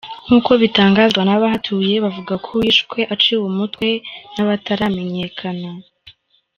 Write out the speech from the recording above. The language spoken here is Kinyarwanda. Nkuko bitangazwa n’abahatuye bavuga ko wishwe aciwe umutwe n’abataramenyekana.